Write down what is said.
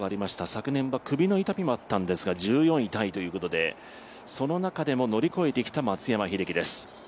昨年は首の痛みもあったんですが１４位タイということでその中でも乗り越えてきた松山英樹です。